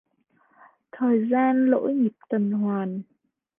Thời gian lỗi nhịp tuần hoàn